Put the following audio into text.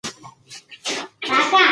آسماني تیږې د فضا په پراخه برخه کې ورکې دي.